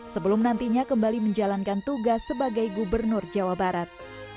sebelum nantinya kembali menjalankan tugas sebagai gubernur jawa barat